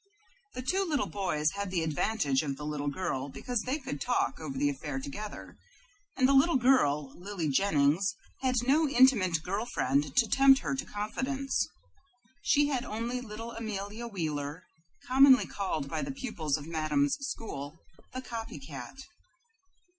The two little boys had the advantage of the little girl because they could talk over the affair together, and the little girl, Lily Jennings, had no intimate girl friend to tempt her to confidence. She had only little Amelia Wheeler, commonly called by the pupils of Madame's school "The Copy Cat."